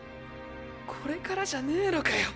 これからじゃねぇのかよ